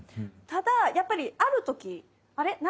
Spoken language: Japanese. ただやっぱりある時あれ？